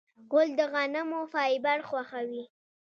غول د غنمو فایبر خوښوي.